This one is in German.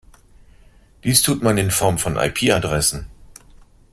Dies tut man in Form von IP-Adressen.